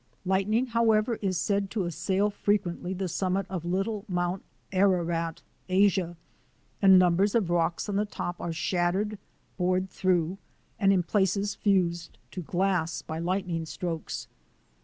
Lightning, however, is said to assail frequently the summit of Little Mount Ararat, Asia, and numbers of rocks on the top are shattered, bored through, and in places fused to glass by lightning strokes.